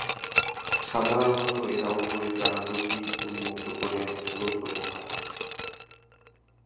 সাধারণত এরা উপরের ডানা দুটি উন্মুক্ত করে রৌদ্র পোহায়।